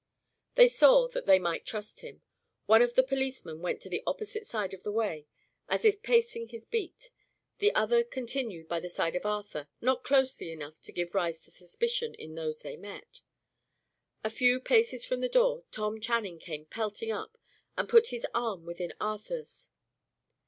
They saw that they might trust him. One of the policemen went to the opposite side of the way, as if pacing his beat; the other continued by the side of Arthur; not closely enough to give rise to suspicion in those they met. A few paces from the door Tom Channing came pelting up, and put his arm within Arthur's.